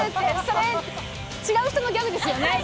違う人のギャグですよね。